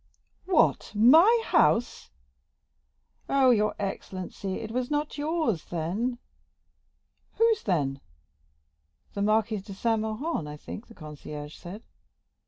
"What! my house?" "Oh, your excellency, it was not yours, then." "Whose, then? The Marquis de Saint Méran, I think, the concierge said.